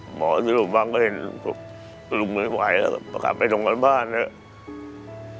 หมอสรุปบ้างก็เห็นลุงไม่ไหวแล้วก็กลับไปตรงนอนบ้านแล้ว